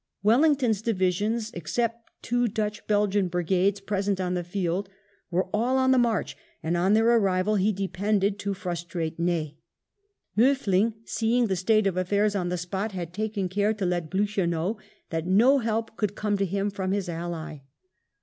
Wellington's divisions, except two Dutch Belgian brigades present on the field, were all WELLINGTON chap. on the march, and on their arrival he depended to frustrate Ney. Miifiling, seeing the state of affairs on the spot, had taken care to let Blucher know that no help could come to him from his ally.